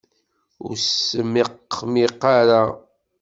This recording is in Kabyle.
Ur smeqmiq ara!